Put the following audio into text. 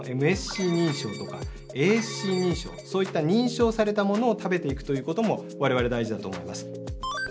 ＭＳＣ認証とかａｓｃ認証そういった認証されたものを食べていくということもわれわれ大事だと思います。